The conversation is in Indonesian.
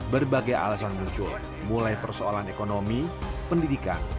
berbagai alasan muncul mulai persoalan ekonomi pendidikan